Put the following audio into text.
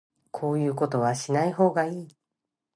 こういうことはしない方がいい